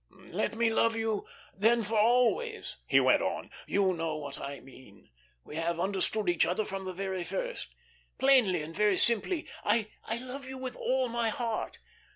"Let me love you then for always," he went on. "You know what I mean. We have understood each other from the very first. Plainly, and very simply, I love you with all my heart.